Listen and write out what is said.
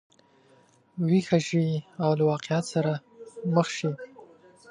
ویښه شي او له واقعیت سره مخ شي.